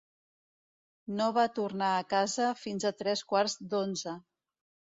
No va tornar a casa fins a tres quarts d'onze.